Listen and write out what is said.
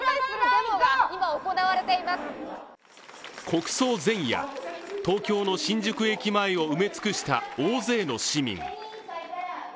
国葬前夜、東京の新宿駅前を埋め尽くした多くの市民。